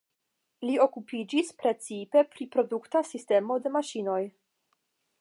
Li okupiĝis precipe pri produkta sistemo de maŝinoj.